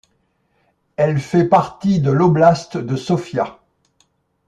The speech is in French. Elle fait partie de l'oblast de Sofia.